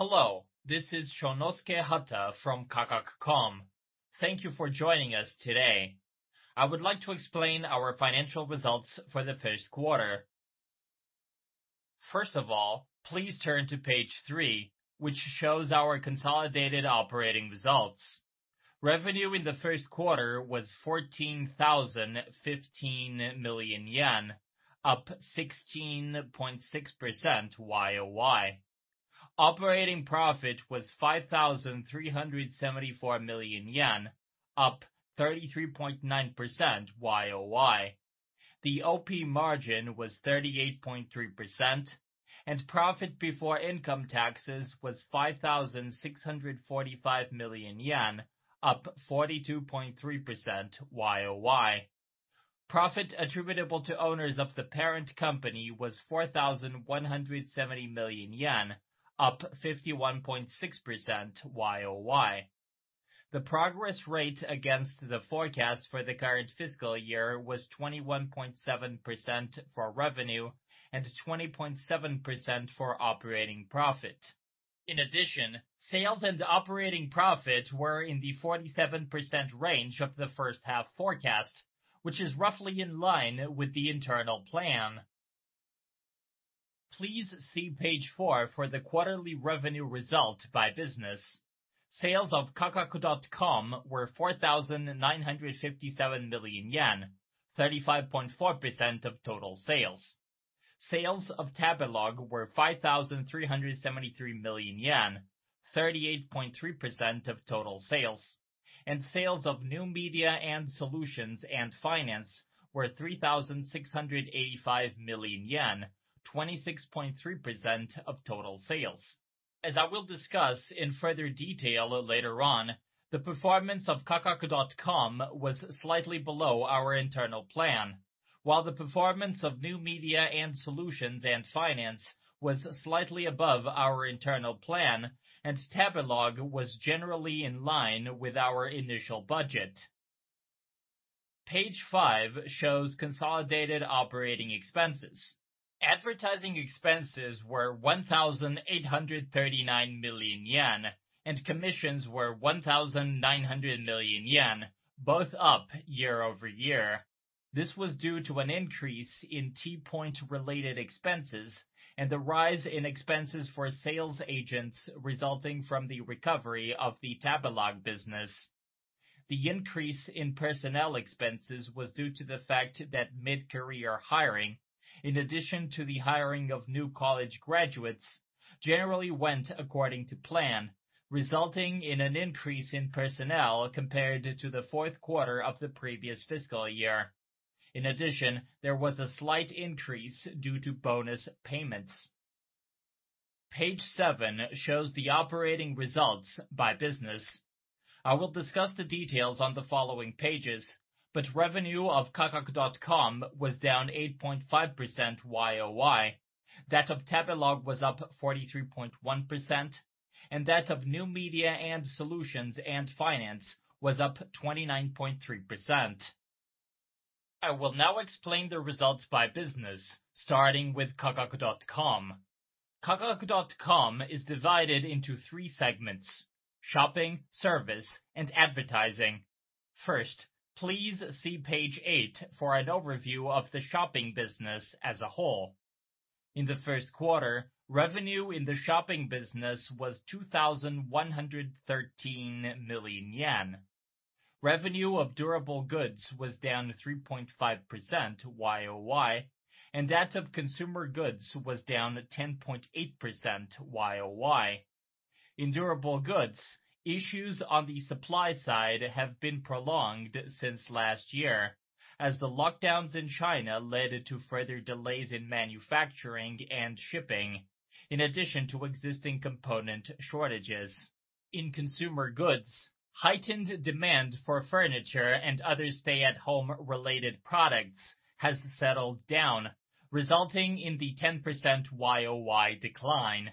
Hello, this is Shonosuke Hata from Kakaku.com. Thank you for joining us today. I would like to explain our financial results for the first quarter. First of all, please turn to page 3, which shows our consolidated operating results. Revenue in the first quarter was 14,015 million yen, up 16.6% Y-O-Y. Operating profit was 5,374 million yen, up 33.9% Y-O-Y. The OP margin was 38.3% and profit before income taxes was 5,645 million yen, up 42.3% Y-O-Y. Profit attributable to owners of the parent company was 4,170 million yen, up 51.6% Y-O-Y. The progress rate against the forecast for the current fiscal year was 21.7% for revenue and 20.7% for operating profit. In addition, sales and operating profits were in the 47% range of the first half forecast, which is roughly in line with the internal plan. Please see page 4 for the quarterly revenue result by business. Sales of Kakaku.com were 4,957 million yen, 35.4% of total sales. Sales of Tabelog were 5,373 million yen, 38.3% of total sales. Sales of new media and solutions and finance were 3,685 million yen, 26.3% of total sales. As I will discuss in further detail later on, the performance of Kakaku.com was slightly below our internal plan. While the performance of new media and solutions and finance was slightly above our internal plan, and Tabelog was generally in line with our initial budget. Page 5 shows consolidated operating expenses. Advertising expenses were 1,839 million yen, and commissions were 1,900 million yen, both up year-over-year. This was due to an increase in T-point related expenses and the rise in expenses for sales agents resulting from the recovery of the Tabelog business. The increase in personnel expenses was due to the fact that mid-career hiring, in addition to the hiring of new college graduates, generally went according to plan, resulting in an increase in personnel compared to the fourth quarter of the previous fiscal year. In addition, there was a slight increase due to bonus payments. Page seven shows the operating results by business. I will discuss the details on the following pages, but revenue of Kakaku.com was down 8.5% Y-O-Y. That of Tabelog was up 43.1%, and that of new media and solutions and finance was up 29.3%. I will now explain the results by business, starting with Kakaku.com. Kakaku.com is divided into three segments: shopping, service, and advertising. First, please see page 8 for an overview of the shopping business as a whole. In the first quarter, revenue in the shopping business was 2,113 million yen. Revenue of durable goods was down 3.5% Y-O-Y, and that of consumer goods was down 10.8% Y-O-Y. In durable goods, issues on the supply side have been prolonged since last year, as the lockdowns in China led to further delays in manufacturing and shipping, in addition to existing component shortages. In consumer goods, heightened demand for furniture and other stay-at-home related products has settled down, resulting in the 10% Y-O-Y decline.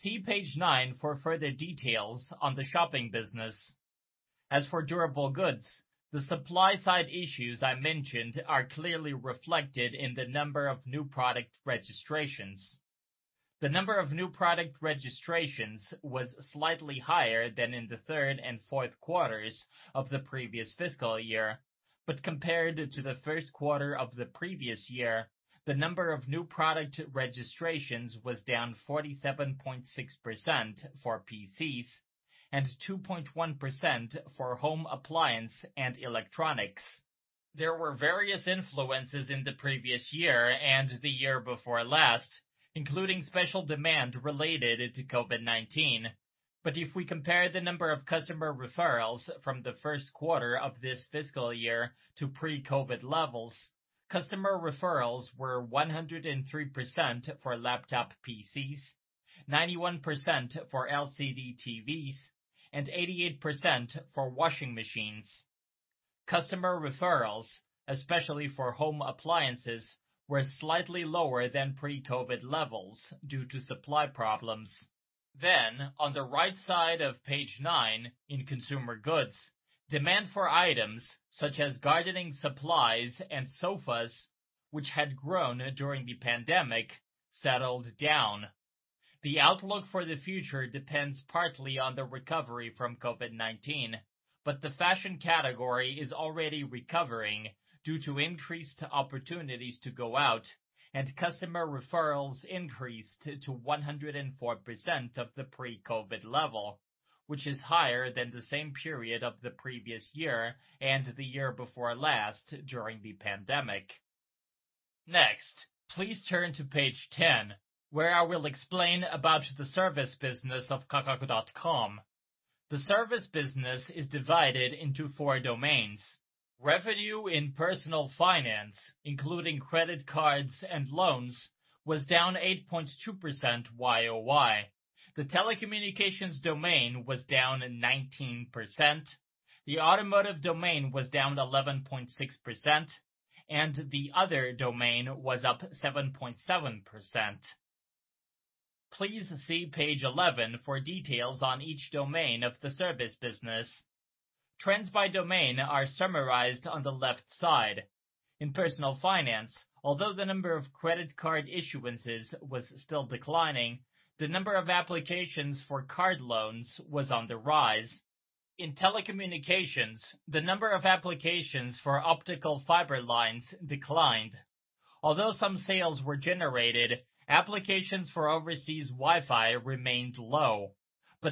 See page 9 for further details on the shopping business. As for durable goods, the supply side issues I mentioned are clearly reflected in the number of new product registrations. The number of new product registrations was slightly higher than in the third and fourth quarters of the previous fiscal year. Compared to the first quarter of the previous year, the number of new product registrations was down 47.6% for PCs and 2.1% for home appliances and electronics. There were various influences in the previous year and the year before last, including special demand related to COVID-19. If we compare the number of customer referrals from the first quarter of this fiscal year to pre-COVID levels, customer referrals were 103% for laptop PCs, 91% for LCD TVs, and 88% for washing machines. Customer referrals, especially for home appliances, were slightly lower than pre-COVID levels due to supply problems. On the right side of page nine, in consumer goods, demand for items such as gardening supplies and sofas, which had grown during the pandemic, settled down. The outlook for the future depends partly on the recovery from COVID-19, but the fashion category is already recovering due to increased opportunities to go out, and customer referrals increased to 104% of the pre-COVID level, which is higher than the same period of the previous year and the year before last during the pandemic. Next, please turn to page 10, where I will explain about the service business of Kakaku.com. The service business is divided into four domains. Revenue in personal finance, including credit cards and loans, was down 8.2% Y-O-Y. The telecommunications domain was down 19%. The automotive domain was down 11.6%, and the other domain was up 7.7%. Please see page 11 for details on each domain of the service business. Trends by domain are summarized on the left side. In personal finance, although the number of credit card issuances was still declining, the number of applications for card loans was on the rise. In telecommunications, the number of applications for optical fiber lines declined. Although some sales were generated, applications for overseas Wi-Fi remained low.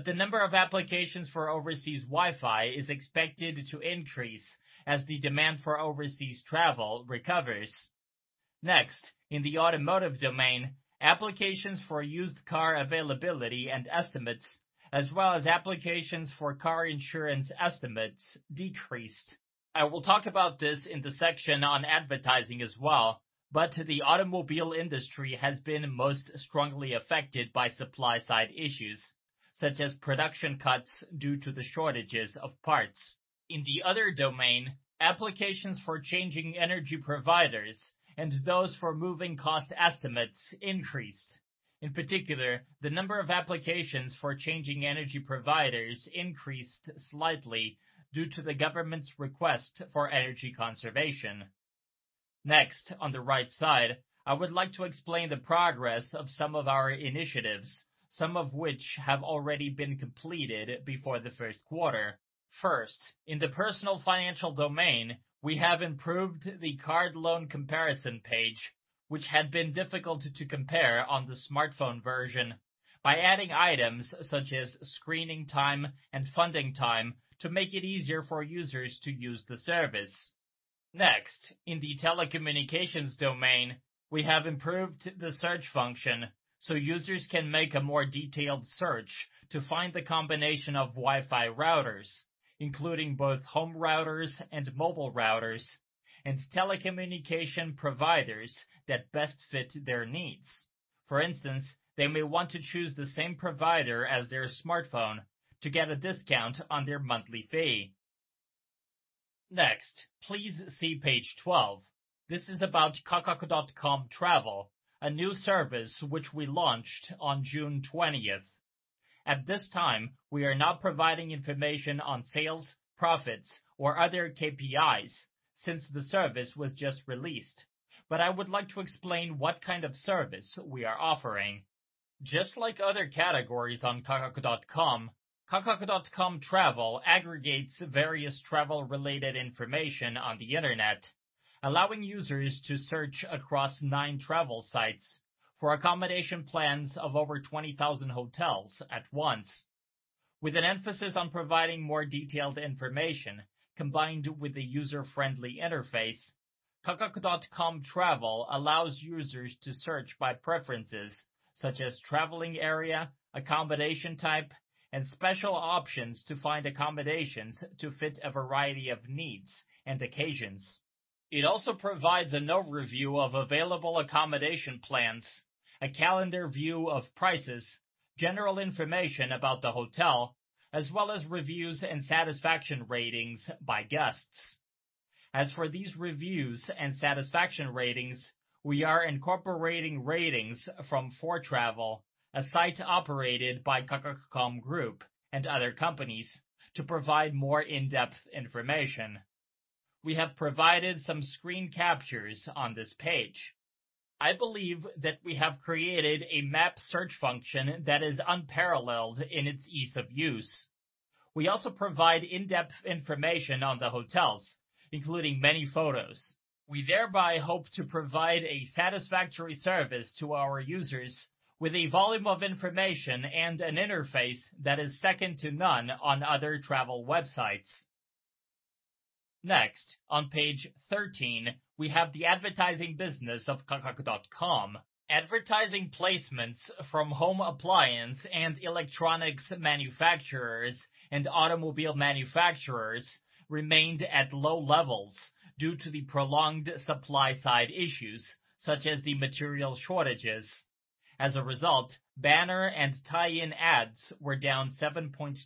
The number of applications for overseas Wi-Fi is expected to increase as the demand for overseas travel recovers. Next, in the automotive domain, applications for used car availability and estimates, as well as applications for car insurance estimates decreased. I will talk about this in the section on advertising as well, but the automobile industry has been most strongly affected by supply-side issues, such as production cuts due to the shortages of parts. In the other domain, applications for changing energy providers and those for moving cost estimates increased. In particular, the number of applications for changing energy providers increased slightly due to the government's request for energy conservation. Next, on the right side, I would like to explain the progress of some of our initiatives, some of which have already been completed before the first quarter. First, in the personal financial domain, we have improved the card loan comparison page, which had been difficult to compare on the smartphone version by adding items such as screening time and funding time to make it easier for users to use the service. Next, in the telecommunications domain, we have improved the search function so users can make a more detailed search to find the combination of Wi-Fi routers, including both home routers and mobile routers, and telecommunication providers that best fit their needs. For instance, they may want to choose the same provider as their smartphone to get a discount on their monthly fee. Next, please see page 12. This is about Kakaku.com Travel, a new service which we launched on June 20. At this time, we are not providing information on sales, profits or other KPIs since the service was just released. I would like to explain what kind of service we are offering. Just like other categories on Kakaku.com, Kakaku.com Travel aggregates various travel related information on the Internet, allowing users to search across nine travel sites for accommodation plans of over 20,000 hotels at once. With an emphasis on providing more detailed information combined with a user-friendly interface, Kakaku.com Travel allows users to search by preferences such as traveling area, accommodation type, and special options to find accommodations to fit a variety of needs and occasions. It also provides an overview of available accommodation plans, a calendar view of prices, general information about the hotel, as well as reviews and satisfaction ratings by guests. As for these reviews and satisfaction ratings, we are incorporating ratings from 4travel, a site operated by Kakaku.com Group and other companies to provide more in-depth information. We have provided some screen captures on this page. I believe that we have created a map search function that is unparalleled in its ease of use. We also provide in-depth information on the hotels, including many photos. We thereby hope to provide a satisfactory service to our users with a volume of information and an interface that is second to none on other travel websites. Next, on page 13, we have the advertising business of Kakaku.com. Advertising placements from home appliance and electronics manufacturers and automobile manufacturers remained at low levels due to the prolonged supply side issues such as the material shortages. As a result, banner and tie-in ads were down 7.2%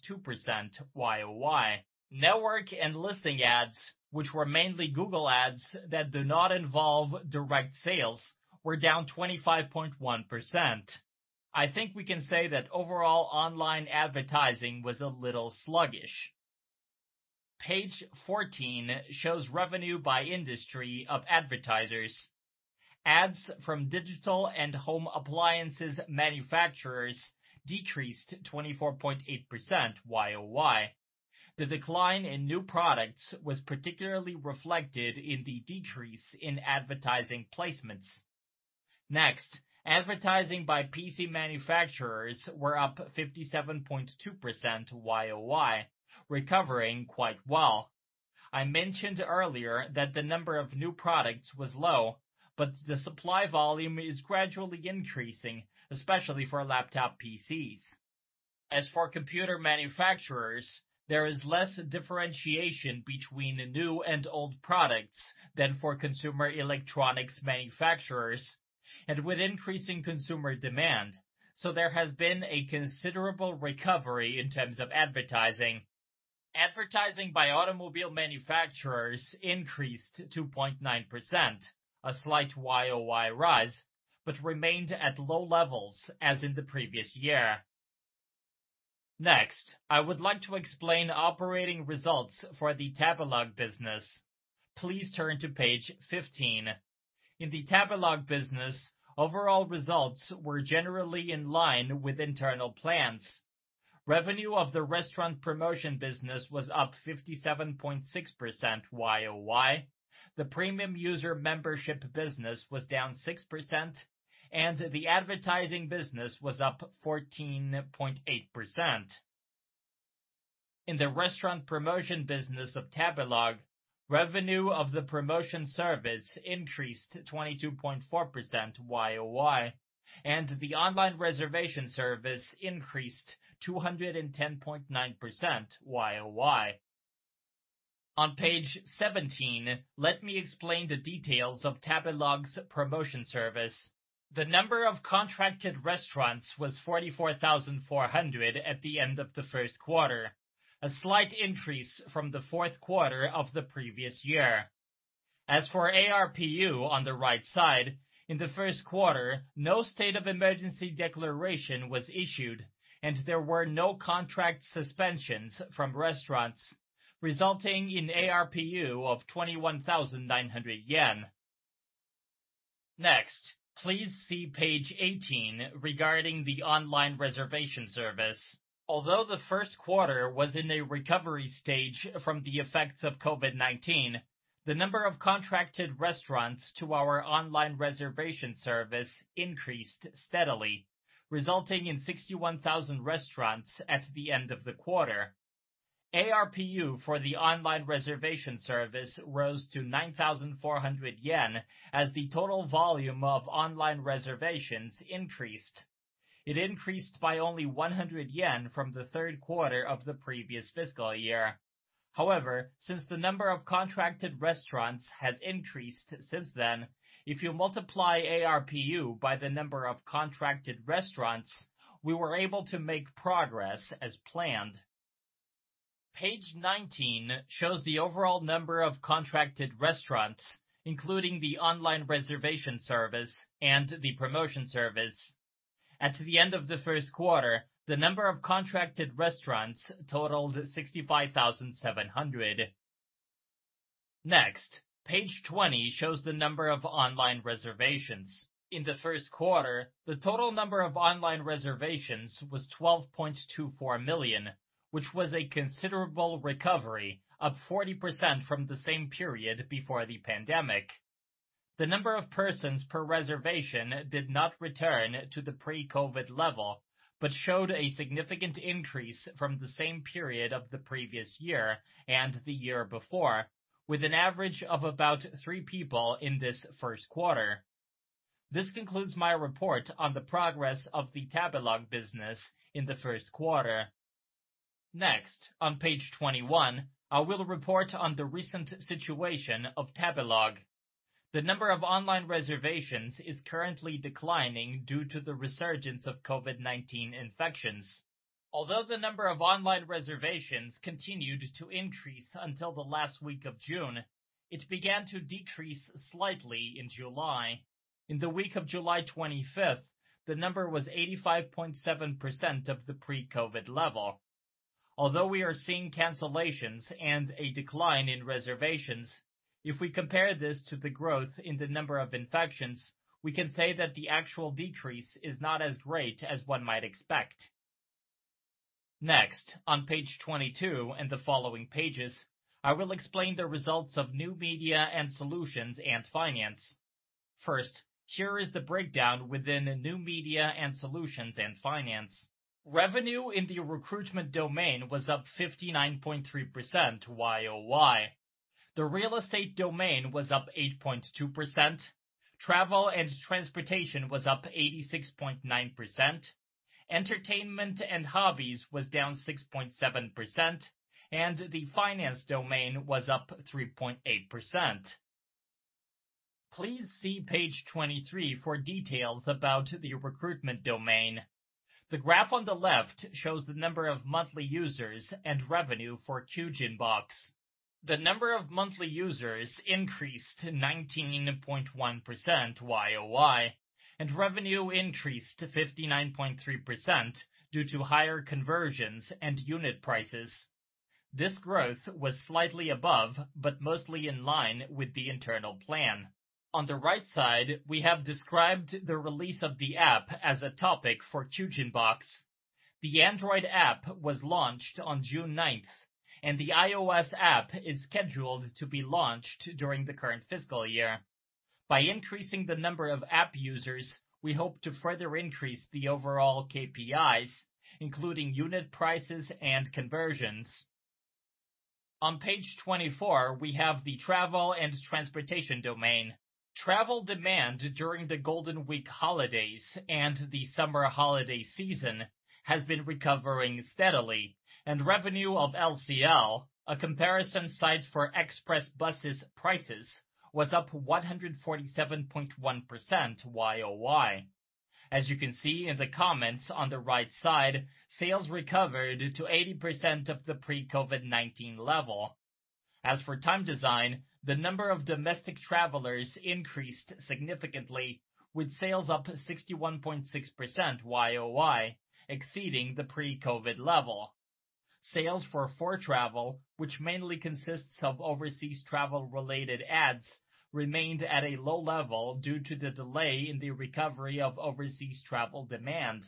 Y-O-Y. Network and listing ads, which were mainly Google ads that do not involve direct sales, were down 25.1%. I think we can say that overall online advertising was a little sluggish. Page 14 shows revenue by industry of advertisers. Ads from digital and home appliances manufacturers decreased 24.8% YOY. The decline in new products was particularly reflected in the decrease in advertising placements. Next, advertising by PC manufacturers were up 57.2% YOY, recovering quite well. I mentioned earlier that the number of new products was low, but the supply volume is gradually increasing, especially for laptop PCs. As for computer manufacturers, there is less differentiation between new and old products than for consumer electronics manufacturers and with increasing consumer demand, so there has been a considerable recovery in terms of advertising. Advertising by automobile manufacturers increased 2.9%, a slight YOY rise, but remained at low levels as in the previous ye Next, I would like to explain operating results for the Tabelog business. Please turn to page 15. In the Tabelog business, overall results were generally in line with internal plans. Revenue of the restaurant promotion business was up 57.6% YOY, the premium user membership business was down 6%, and the advertising business was up 14.8%. In the restaurant promotion business of Tabelog, revenue of the promotion service increased 22.4% YOY, and the online reservation service increased 210.9% YOY. On page 17, let me explain the details of Tabelog's promotion service. The number of contracted restaurants was 44,400 at the end of the first quarter, a slight increase from the fourth quarter of the previous year. As for ARPU on the right side, in the first quarter, no state of emergency declaration was issued, and there were no contract suspensions from restaurants, resulting in ARPU of 21,900 yen. Next, please see page 18 regarding the online reservation service. Although the first quarter was in a recovery stage from the effects of COVID-19, the number of contracted restaurants to our online reservation service increased steadily, resulting in 61,000 restaurants at the end of the quarter. ARPU for the online reservation service rose to 9,400 yen as the total volume of online reservations increased. It increased by only 100 yen from the third quarter of the previous fiscal year. However, since the number of contracted restaurants has increased since then, if you multiply ARPU by the number of contracted restaurants, we were able to make progress as planned. Page 19 shows the overall number of contracted restaurants, including the online reservation service and the promotion service. At the end of the first quarter, the number of contracted restaurants totaled 65,700. Next, page 20 shows the number of online reservations. In the first quarter, the total number of online reservations was 12.24 million, which was a considerable recovery, up 40% from the same period before the pandemic. The number of persons per reservation did not return to the pre-COVID level, but showed a significant increase from the same period of the previous year and the year before, with an average of about three people in this first quarter. This concludes my report on the progress of the Tabelog business in the first quarter. Next, on page 21, I will report on the recent situation of Tabelog. The number of online reservations is currently declining due to the resurgence of COVID-19 infections. Although the number of online reservations continued to increase until the last week of June, it began to decrease slightly in July. In the week of July 25, the number was 85.7% of the pre-COVID level. Although we are seeing cancellations and a decline in reservations, if we compare this to the growth in the number of infections, we can say that the actual decrease is not as great as one might expect. Next, on page 22 and the following pages, I will explain the results of new media and solutions and finance. First, here is the breakdown within new media and solutions and finance. Revenue in the recruitment domain was up 59.3% Y-O-Y. The real estate domain was up 8.2%. Travel and transportation were up 86.9%. Entertainment and hobbies were down 6.7%. The finance domain was up 3.8%. Please see page 23 for details about the recruitment domain. The graph on the left shows the number of monthly users and revenue for Kyujin Box. The number of monthly users increased 19.1% Y-O-Y, and revenue increased to 59.3% due to higher conversions and unit prices. This growth was slightly above, but mostly in line with the internal plan. On the right side, we have described the release of the app as a topic for Kyujin Box. The Android app was launched on June ninth, and the iOS app is scheduled to be launched during the current fiscal year. By increasing the number of app users, we hope to further increase the overall KPIs, including unit prices and conversions. On page 24, we have the travel and transportation domain. Travel demand during the Golden Week holidays and the summer holiday season has been recovering steadily, and revenue of LCL, a comparison site for express buses prices, was up 147.1% Y-O-Y. As you can see in the comments on the right side, sales recovered to 80% of the pre-COVID-19 level. As for Time Design, the number of domestic travelers increased significantly, with sales up 61.6% Y-O-Y, exceeding the pre-COVID level. Sales for 4travel, which mainly consists of overseas travel-related ads, remained at a low level due to the delay in the recovery of overseas travel demand.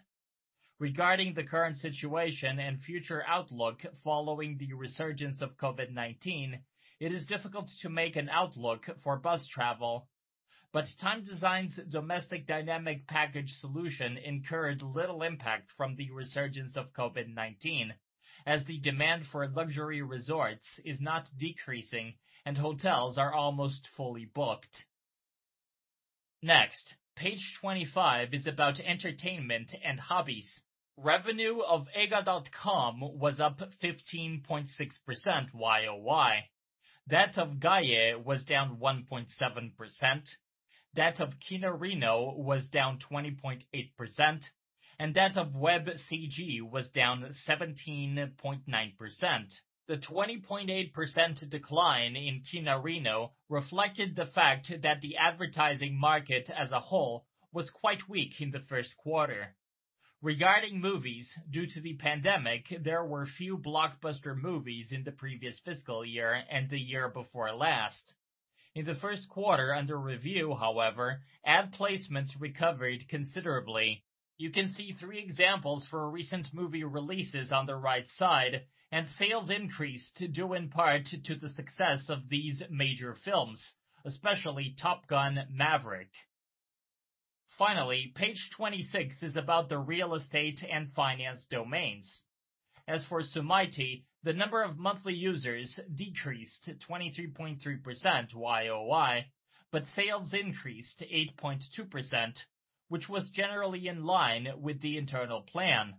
Regarding the current situation and future outlook following the resurgence of COVID-19, it is difficult to make an outlook for bus travel. Time Design's domestic dynamic package solution incurred little impact from the resurgence of COVID-19, as the demand for luxury resorts is not decreasing and hotels are almost fully booked. Next, page 25 is about entertainment and hobbies. Revenue of eiga.com was up 15.6% Y-O-Y. That of Gaie was down 1.7%, that of Kinarino was down 20.8%, and that of Web CG was down 17.9%. The 20.8% decline in Kinarino reflected the fact that the advertising market as a whole was quite weak in the first quarter. Regarding movies, due to the pandemic, there were few blockbuster movies in the previous fiscal year and the year before last. In the first quarter under review, however, ad placements recovered considerably. You can see three examples for recent movie releases on the right side, and sales increased due in part to the success of these major films, especially Top Gun: Maverick. Finally, page 26 is about the real estate and finance domains. As for Sumaity, the number of monthly users decreased 23.3% Y-O-Y, but sales increased 8.2%, which was generally in line with the internal plan.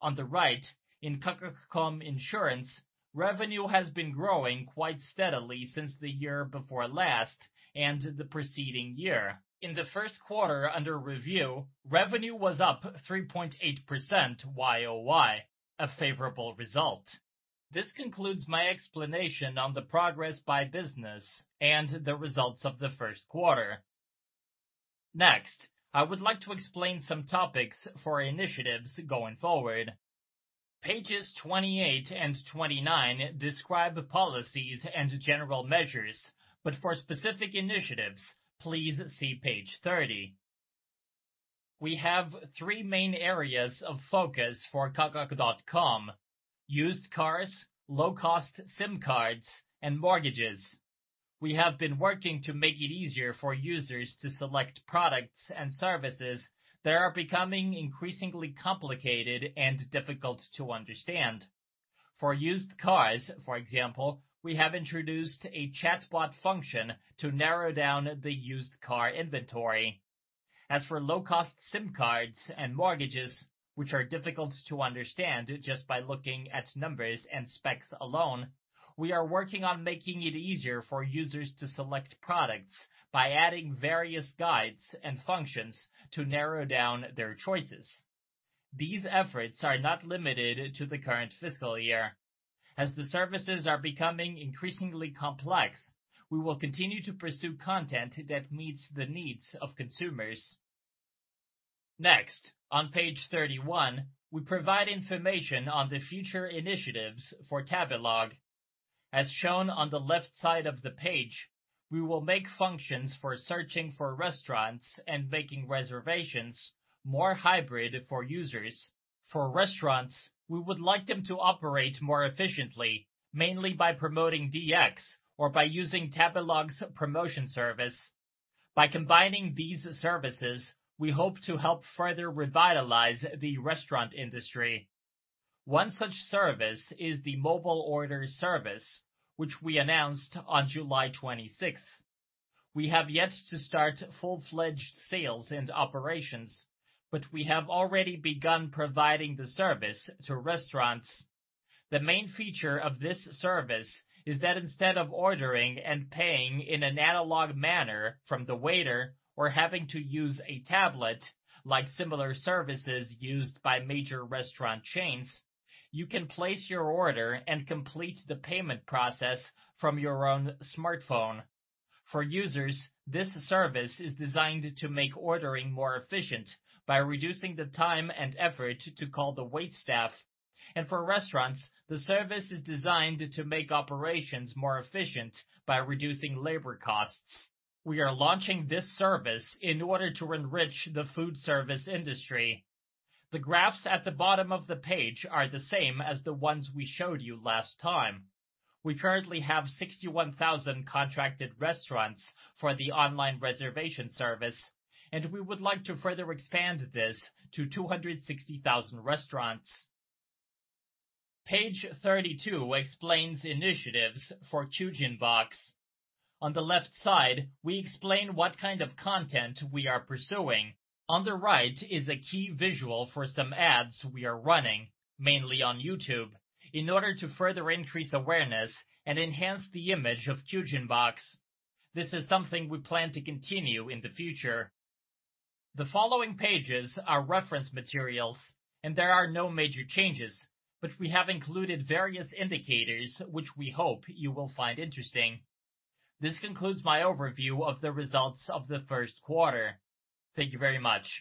On the right, in Kakaku.com Insurance, revenue has been growing quite steadily since the year before last and the preceding year. In the first quarter under review, revenue was up 3.8% Y-O-Y, a favorable result. This concludes my explanation on the progress by business and the results of the first quarter. Next, I would like to explain some topics for initiatives going forward. Pages 28 and 29 describe policies and general measures, but for specific initiatives, please see page 30. We have three main areas of focus for Kakaku.com, used cars, low-cost SIM cards, and mortgages. We have been working to make it easier for users to select products and services that are becoming increasingly complicated and difficult to understand. For used cars, for example, we have introduced a chatbot function to narrow down the used car inventory. As for low-cost SIM cards and mortgages, which are difficult to understand just by looking at numbers and specs alone, we are working on making it easier for users to select products by adding various guides and functions to narrow down their choices. These efforts are not limited to the current fiscal year. As the services are becoming increasingly complex, we will continue to pursue content that meets the needs of consumers. Next, on page 31, we provide information on the future initiatives for Tabelog. As shown on the left side of the page, we will make functions for searching for restaurants and making reservations more hybrid for users. For restaurants, we would like them to operate more efficiently, mainly by promoting DX or by using Tabelog's promotion service. By combining these services, we hope to help further revitalize the restaurant industry. One such service is the mobile order service, which we announced on July 26th. We have yet to start full-fledged sales and operations, but we have already begun providing the service to restaurants. The main feature of this service is that instead of ordering and paying in an analog manner from the waiter or having to use a tablet, like similar services used by major restaurant chains, you can place your order and complete the payment process from your own smartphone. For users, this service is designed to make ordering more efficient by reducing the time and effort to call the waitstaff. For restaurants, the service is designed to make operations more efficient by reducing labor costs. We are launching this service in order to enrich the food service industry. The graphs at the bottom of the page are the same as the ones we showed you last time. We currently have 61,000 contracted restaurants for the online reservation service, and we would like to further expand this to 260,000 restaurants. Page 32 explains initiatives for Kyujin Box. On the left side, we explain what kind of content we are pursuing. On the right is a key visual for some ads we are running, mainly on YouTube, in order to further increase awareness and enhance the image of Kyujin Box. This is something we plan to continue in the future. The following pages are reference materials, and there are no major changes, but we have included various indicators which we hope you will find interesting. This concludes my overview of the results of the first quarter. Thank you very much.